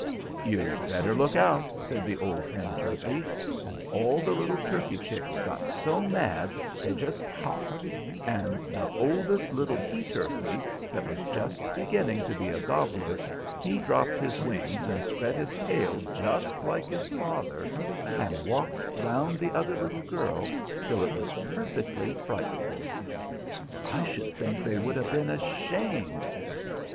"You'd better look out," says the old hen turkey; and all the little turkey chicks got so mad they just hopped, and the oldest little he turkey, that was just beginning to be a gobbler, he dropped his wings and spread his tail just like his father, and walked round the other little girl till it was perfectly frightful. "I should think they would 'a' been ashamed."